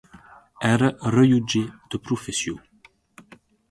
Era rellotger de professió.